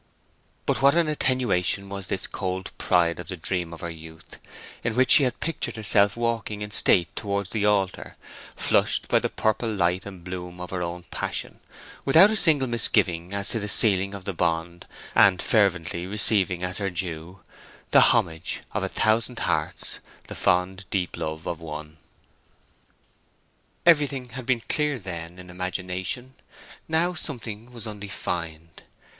But what an attenuation was this cold pride of the dream of her youth, in which she had pictured herself walking in state towards the altar, flushed by the purple light and bloom of her own passion, without a single misgiving as to the sealing of the bond, and fervently receiving as her due "The homage of a thousand hearts; the fond, deep love of one." Everything had been clear then, in imagination; now something was undefined.